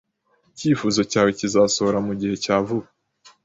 Icyifuzo cyawe kizasohora mugihe cya vuba.